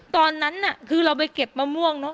ตอนนั้นน่ะคือเราไปเก็บมะม่วงเนอะ